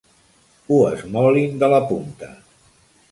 Ho esmolin de la punta.